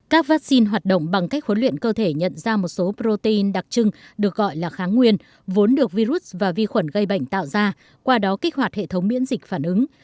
các vaccine hoạt động bằng cách huấn luyện cơ thể nhận ra một số protein đặc trưng được gọi là kháng nguyên vốn được virus và vi khuẩn gây bệnh tạo ra qua đó kích hoạt hệ thống miễn dịch phản ứng